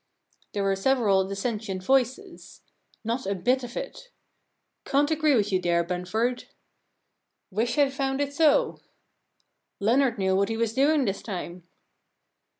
There were several dissentient voices :* Not a bit of it.* * Can't agree with you there, Bunford.' * Wish Fd found it so.' * Leonard knew what he was doing this time.'